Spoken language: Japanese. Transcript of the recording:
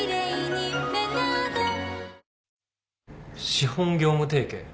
資本業務提携。